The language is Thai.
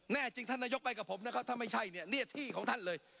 แน่จริงท่านนายกไปกับผมนะครับถ้าไม่ใช่เนี่ยเรียกที่ของท่านเลย